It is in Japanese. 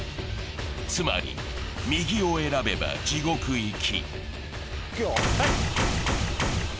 つまり右を選べば地獄行き。